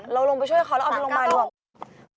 เราลงไปช่วยเขาแล้วเอาเป็นลงไปดีกว่า